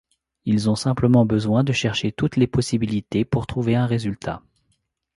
Ils ont simplement besoin de chercher toutes les possibilités pour trouver un résultat.